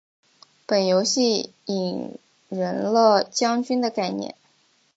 本游戏引人了将军的概念。